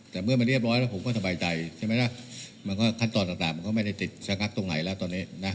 แต่เมื่อมันเรียบร้อยแล้วผมก็สบายใจใช่ไหมล่ะมันก็ขั้นตอนต่างมันก็ไม่ได้ติดชะงักตรงไหนแล้วตอนนี้นะ